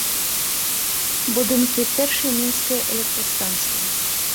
Будынкі першай мінскай электрастанцыі.